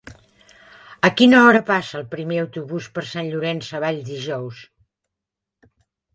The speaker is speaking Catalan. A quina hora passa el primer autobús per Sant Llorenç Savall dijous?